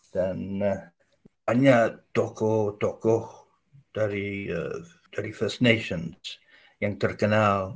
dan banyak tokoh tokoh dari dari first nations yang terkenal